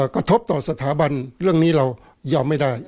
กระทบต่อสถาบันเรื่องนี้เรายอมไม่ได้